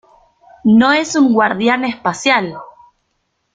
¡ No es un guardián espacial!